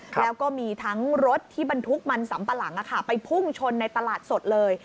แล้วก็มีทั้งรถที่บรรทุกมันสัมปะหลังไปพุ่งชนในตลาดสดเลย